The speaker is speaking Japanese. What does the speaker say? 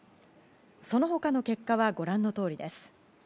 その他の結果はご覧の通りです。